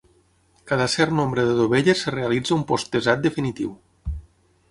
Cada cert nombre de dovelles es realitza un posttesat definitiu.